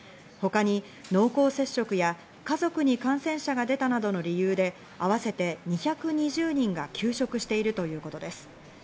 他に濃厚接触や家族に感染者が出たなどの理由であわせて２２０人が休職しているということです。